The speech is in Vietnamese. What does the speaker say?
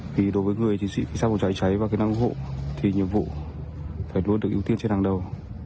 vì đối với người chiến sĩ sát bộ cháy cháy và kỹ năng ưu hộ thì nhiệm vụ phải luôn được ưu tiên trên hàng đầu